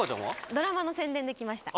ドラマの宣伝で来ました。